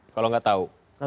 kalau gak tahu